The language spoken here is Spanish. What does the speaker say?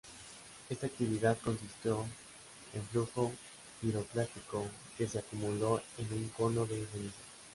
Esta actividad consistió en flujo piroclástico que se acumuló en un cono de cenizas.